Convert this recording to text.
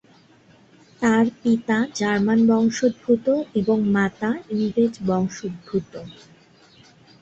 তার পিতা জার্মান বংশোদ্ভূত এবং মাতা ইংরেজ বংশোদ্ভূত।